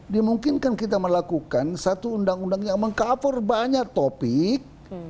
dimungkinkan kita melakukan satu undang undang yang meng cover banyak topik